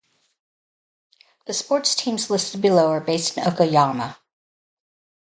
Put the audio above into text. The sports teams listed below are based in Okayama.